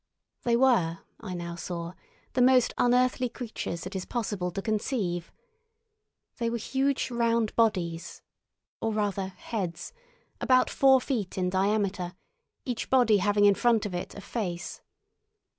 They were, I now saw, the most unearthly creatures it is possible to conceive. They were huge round bodies—or, rather, heads—about four feet in diameter, each body having in front of it a face.